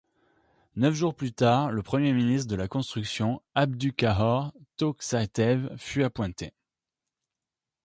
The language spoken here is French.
Neuf jours plus tard, le premier ministre de la Construction, Abduqahhor Toʻxtayev, fut appointé.